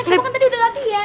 emang kan tadi udah latihan